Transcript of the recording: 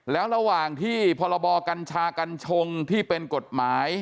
แล้วระหว่างที่พรบกัญชากัญชงที่เป็นกฎหมาย